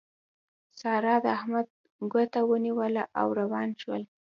سارا د احمد ګوته ونيوله او روان شول.